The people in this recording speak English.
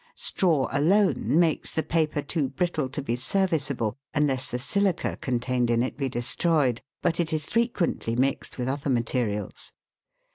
Straw alone makes the paper too brittle to be serviceable, unless the silica contained in it be destroyed, but it is frequently mixed with other materials.